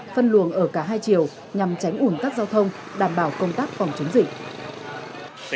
phân luồng ở cả hai chiều nhằm tránh ủn tắc giao thông đảm bảo công tác phòng chống dịch